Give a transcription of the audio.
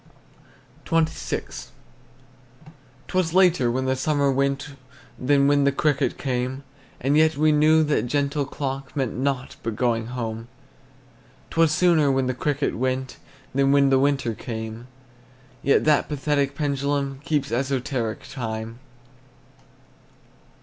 XXVI. 'T was later when the summer went Than when the cricket came, And yet we knew that gentle clock Meant nought but going home. 'T was sooner when the cricket went Than when the winter came, Yet that pathetic pendulum Keeps esoteric time.